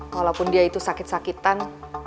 walaupun dia itu sakit sakitan